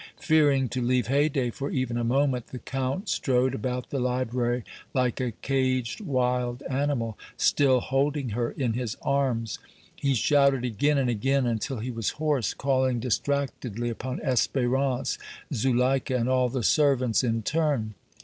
Fearing to leave Haydée for even a moment, the Count strode about the library like a caged wild animal, still holding her in his arms. He shouted again and again until he was hoarse, calling distractedly upon Espérance, Zuleika and all the servants in turn.